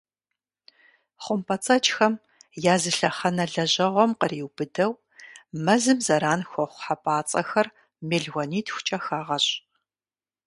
Хъумпӏэцӏэджхэм я зы лъэхъэнэ лэжьэгъуэм къриубыдэу, мэзым зэран хуэхъу хьэпӏацӏэхэр мелуанитхукӏэ хагъэщӏ.